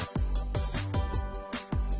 เต็มเลยนะคะ